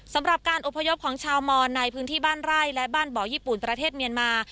สำหรับการอบพยพของชาวมอนในพื้นที่บ้านไร่และบ้านบ่อญี่ปุ่นประเทศเมียนมา